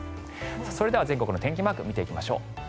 それでは全国の天気マーク見ていきましょう。